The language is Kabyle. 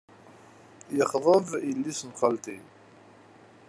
Yexḍeb yelli-s n xalti.